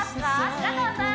白川さん！